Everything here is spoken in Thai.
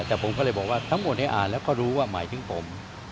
แต่ผมก็เลยบอกว่าทั้งหมดได้อ่านแล้วก็รู้ว่าหมายถึงผม